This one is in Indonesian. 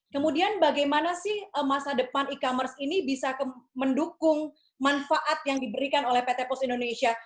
kemudian bagaimana sih masa depan e commerce ini bisa mendukung manfaat yang diberikan oleh pt pos indonesia